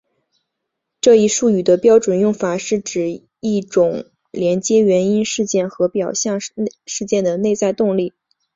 这一术语的标准用法是指一种连接原因事件和表象事件的内在动力。